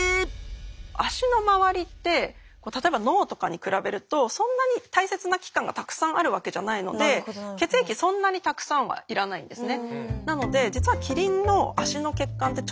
足の周りって例えば脳とかに比べるとそんなに大切な器官がたくさんあるわけじゃないので血液そんなにたくさんは要らないんですね。